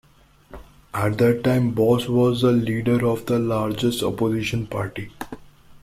At that time Bos was the leader of the largest opposition party.